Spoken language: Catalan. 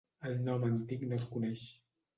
El nom antic no es coneix.